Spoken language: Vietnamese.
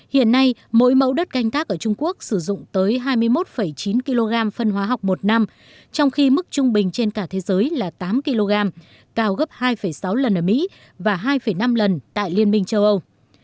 hiện nay mỗi mẫu đất canh tác ở trung quốc sử dụng tới hai mươi một chín kg phân hóa học một năm trong khi mức trung bình trên cả thế giới là tám kg cao gấp hai sáu lần ở mỹ và hai năm lần tại liên minh châu âu